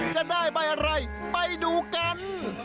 จะได้ใบอะไรไปดูกัน